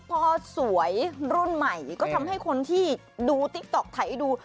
พอสวยรุ่นใหม่ก็ทำให้คนที่ดูติ๊กต๊อกถ่ายดู